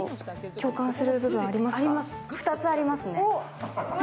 共感する部分、２つありますね。